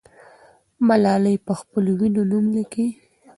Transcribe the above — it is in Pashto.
ملالۍ پخپلو وینو نوم لیکي.